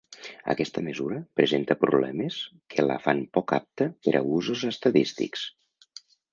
Aquesta mesura presenta problemes que la fan poc apta per a usos estadístics.